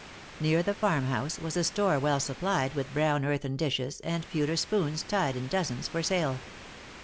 Near the farm house was a store well supplied with brown earthen dishes, and pewter spoons tied in dozens for sale.